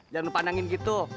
jangan pandangin gitu